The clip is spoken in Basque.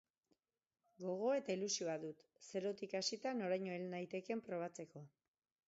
Gogoa eta ilusioa dut, zerotik hasita noraino hel naitekeen probatzeko.